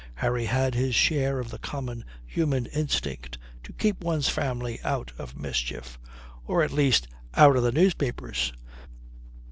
Harry had his share of the common human instinct to keep one's family out of mischief or at least out of the newspapers.